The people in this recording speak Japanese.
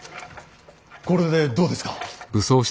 これでどうですか。